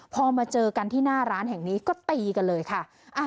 พอมาเจอกันที่หน้าร้านแห่งนี้ก็ตีกันเลยค่ะ